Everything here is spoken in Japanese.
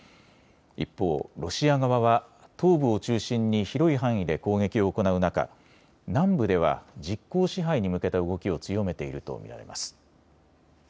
一方、ロシア側は東部を中心に広い範囲で攻撃を行う中、南部では実効支配に向けた動きを強めていると見られます。